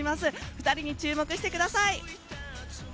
２人に注目してください。